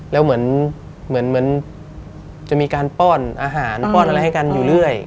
แล้วเหมือนจะมีการป้อนอาหารป้อนอะไรให้กันอยู่เรื่อย